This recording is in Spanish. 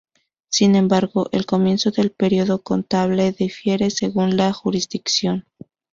Sin embargo, el comienzo del período contable difiere según la jurisdicción.